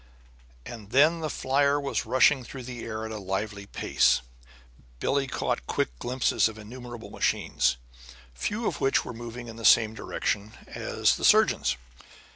And then the flier was rushing through the air at a lively rate. Billie caught quick glimpses of innumerable machines, few of which were moving in the same direction as the surgeon's.